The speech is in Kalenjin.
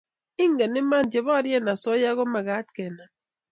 eng' iman che borie asoya komagat kenam